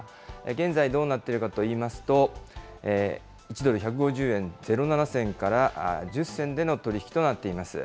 現在どうなっているかといいますと、１ドル１５０円０７銭から１０銭での取り引きとなっています。